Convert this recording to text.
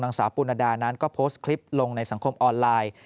นางสาวปุณดานั้นก็โพสต์คลิปลงในสังคมออนไลน์